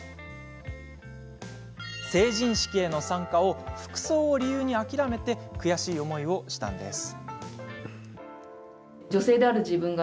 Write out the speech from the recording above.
成人式への参加を服装を理由に諦め悔しい思いをしたんです。